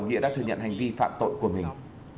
nghĩa đã thừa nhận hành vi phạm tội của mình